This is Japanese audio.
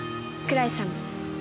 倉石さんも。